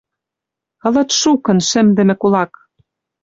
Ылыт шукын шӹмдӹмӹ кулак.